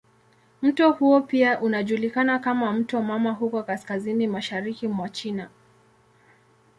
Mto huo pia unajulikana kama "mto mama" huko kaskazini mashariki mwa China.